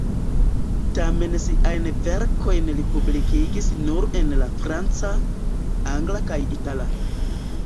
Tamen siajn verkojn li publikigis nur en la franca, angla kaj itala.